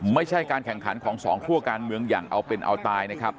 ไม่ใช่การแข่งขันของสองคั่วการเมืองอย่างเอาเป็นเอาตายนะครับ